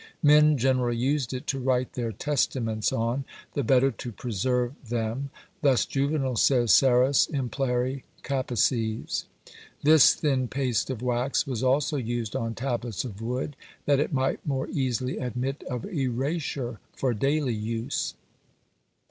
Men generally used it to write their testaments on, the better to preserve them; thus Juvenal says, Ceras implere capaces. This thin paste of wax was also used on tablets of wood, that it might more easily admit of erasure, for daily use.